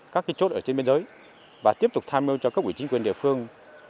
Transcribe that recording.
các chốt ở trên biên giới và tiếp tục tham mưu cho các quỷ chính quyền địa phương